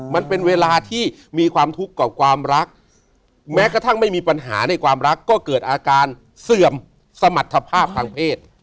มันเป็นเวลาที่มีความทุกข์กับความรักแม้กระทั่งไม่มีปัญหาในความรักก็เกิดอาการเสื่อมสมรรถภาพทางเพศ